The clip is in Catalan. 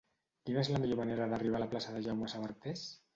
Quina és la millor manera d'arribar a la plaça de Jaume Sabartés?